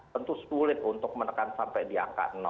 tentu sulit untuk menekan sampai di angka